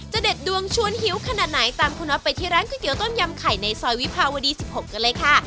เด็ดดวงชวนหิวขนาดไหนตามคุณน็อตไปที่ร้านก๋วเตี๋ต้มยำไข่ในซอยวิภาวดี๑๖กันเลยค่ะ